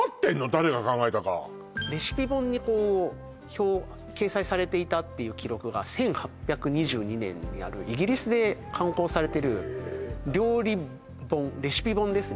誰が考えたかレシピ本にこう掲載されていたっていう記録が１８２２年にイギリスで刊行されてる料理本レシピ本ですね